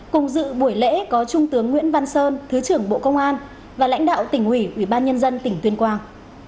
cùng dự buổi lễ có trung tướng nguyễn văn sơn thứ trưởng bộ công an và lãnh đạo tỉnh hủy ubnd tỉnh tuyên quang